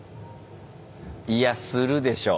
いやするでしょ。